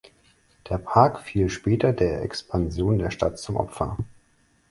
Der Park fiel später der Expansion der Stadt zum Opfer.